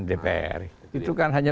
dpr itu kan hanya